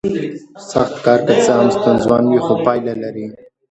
سخت کار که څه هم ستونزمن وي خو پایله لري